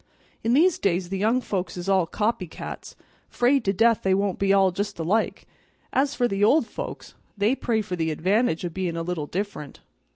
In these days the young folks is all copy cats, 'fraid to death they won't be all just alike; as for the old folks, they pray for the advantage o' bein' a little different."